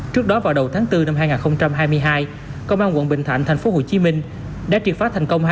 trước đó vào đầu tháng bốn năm hai nghìn hai mươi hai công an quận bình thạnh thành phố hồ chí minh đã triệt phát thành công